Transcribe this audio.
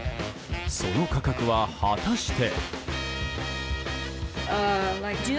その価格は、果たして。